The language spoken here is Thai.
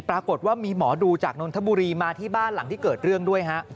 ปรากฏว่ามีหมอดูจากนนทบุรีมาที่บ้านหลังที่เกิดเรื่องด้วยฮะ